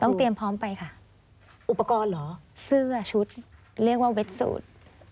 เตรียมพร้อมไปค่ะอุปกรณ์เหรอเสื้อชุดเรียกว่าเว็ดสูตร